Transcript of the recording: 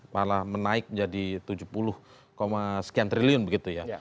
malah menaik menjadi tujuh puluh sekian triliun begitu ya